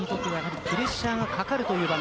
プレッシャーがかかるという場面